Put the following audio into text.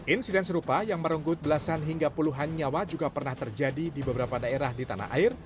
insiden serupa yang merenggut belasan hingga puluhan nyawa juga pernah terjadi di beberapa daerah di tanah air